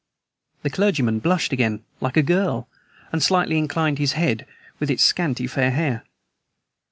The clergyman blushed again like a girl, and slightly inclined his head, with its scanty fair hair.